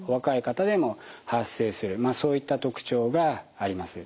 そういった特徴があります。